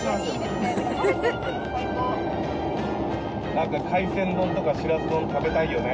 なんか海鮮丼とかしらす丼食べたいよね。